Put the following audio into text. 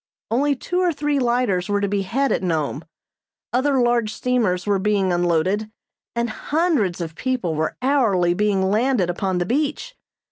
Only two or three lighters were to be had at Nome. Other large steamers were being unloaded, and hundreds of people were hourly being landed upon the beach.